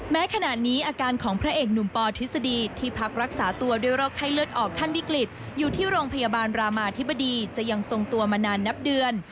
แม้ขณะนี้อาการของพระเอกหนุ่มปอทฤษฎีที่พักรักษาตัวด้วยโรคไข้เลือดออกขั้นวิกฤตอยู่ที่โรงพยาบาลรามาธิบดีจะยังทรงตัวมานานนับเดือน